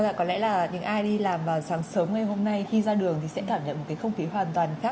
và có lẽ là những ai đi làm vào sáng sớm ngày hôm nay khi ra đường thì sẽ cảm nhận một cái không khí hoàn toàn khác